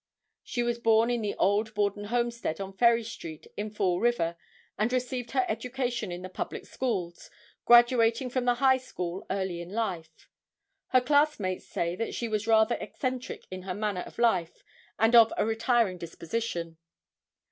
She was born in the old Borden homestead on Ferry street in Fall River and received her education in the public schools, graduating from the high school early in life. Her classmates say that she was rather eccentric in her manner of life, and of a retiring disposition.